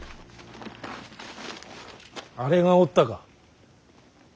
あれがおったか。